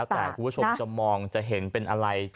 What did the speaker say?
แต่คุณผู้ชมจะมองจะเห็นเป็นอะไร